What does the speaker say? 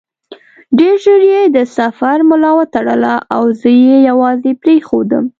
ډېر ژر یې د سفر ملا وتړله او زه یې یوازې پرېښودم.